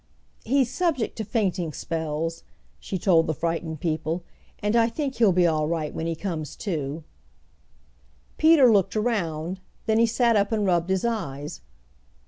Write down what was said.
"He's subject to fainting spells," she told the frightened people, "and I think he'll be all right when he comes to." Peter looked around, then he sat up and rubbed his eyes.